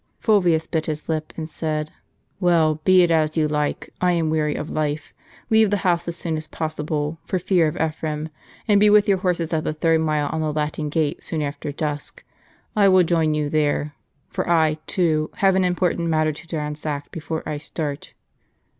Fulvius bit his lip, and said, " Well, be it as you like, I am weary of life. Leave the house as soon as possible, for fear of Ephraim, and be with your horses at the third mile on the Latin gate soon after dusk. I will join you there. For I, too, have an important matter to transact before I start."